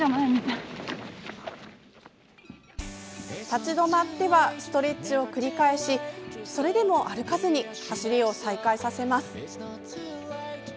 立ち止まってはストレッチを繰り返しそれでも歩かずに走りを再開させます。